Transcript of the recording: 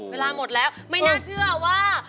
เวลาหมดแล้วไม่น่าเชื่อว่า